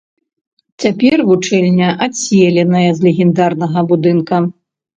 Цяпер вучэльня адселеная з легендарнага будынка.